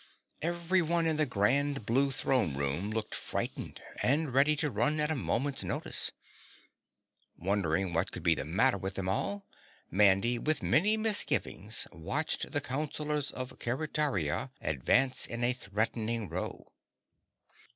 Everyone in the grand blue throne room looked frightened and ready to run at a moment's notice. Wondering what could be the matter with them all, Mandy with many misgivings watched the counselors of Keretaria advance in a threatening row.